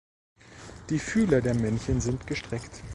Die Fühler der Männchen sind gestreckt.